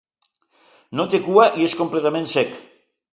No té cua i és completament cec.